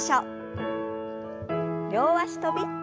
両脚跳び。